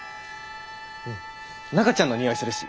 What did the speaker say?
うん中ちゃんのにおいするし。